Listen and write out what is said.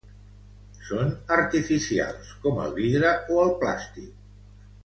Són artificials, com el vidre o el plàstic.